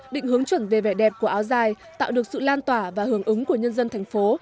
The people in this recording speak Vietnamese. định hướng chuẩn về vẻ đẹp của áo dài tạo được sự lan tỏa và hưởng ứng của nhân dân thành phố